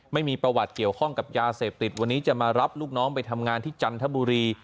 ไม่มีประวัติเกี่ยวข้องกับยาเสพติดวันนี้จะมารับลูกน้องไปทำงานที่จันทบุรี